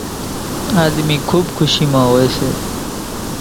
آۮمِي کُوٻ کُشِي مان هوئيَ سي۔